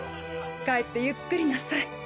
帰ってゆっくりなさい。